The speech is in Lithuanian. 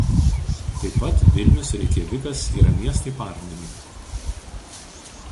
Taip pat Vilnius ir Reikjavikas yra miestai partneriai.